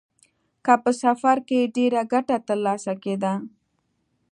که په سفر کې ډېره ګټه ترلاسه کېده.